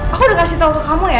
aku udah kasih tau ke kamu ya